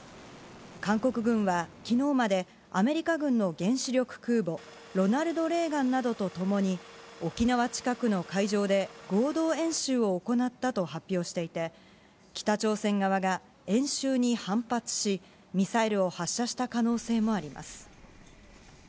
韓国軍はきのうまでアメリカ軍の原子力空母、ロナルド・レーガンなどと共に、沖縄近くの海上で合同演習を行ったと発表していて、北朝鮮側が、演習に反発し、ミサイルを発射した可能性もあります。